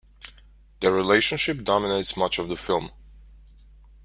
Their relationship dominates much of the film.